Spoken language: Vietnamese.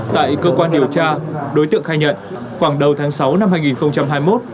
tại cơ quan điều tra đối tượng khai nhận khoảng đầu tháng sáu năm hai nghìn hai mươi một